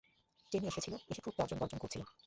চেনি এসেছিল, এসে খুব তর্জন-গর্জন করছিল।